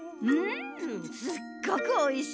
すっごくおいしいよ。